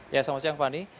ya selamat siang fani